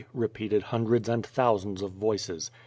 repeated hundreds and thou sands of voices.